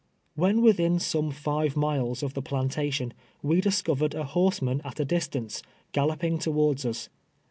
^ When within some five miles of the plantation, we discovered a horseman at a distance, galloping tow ards us.